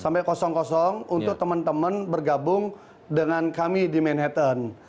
sampai kosong kosong untuk teman teman bergabung dengan kami di manhattan